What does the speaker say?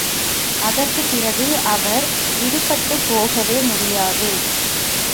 அதற்குப் பிறகு அவர் விடுபட்டுப் போகவே முடியாது.